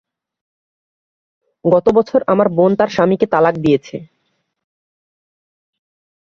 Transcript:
গতবছর আমার বোন তার স্বামীকে তালাক দিয়েছে।